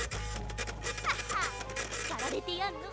ハハッしかられてやんの。